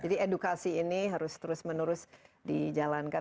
jadi edukasi ini harus terus menerus dijalankan